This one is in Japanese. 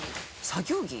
作業着？